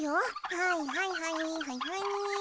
はいはいはいはいはい。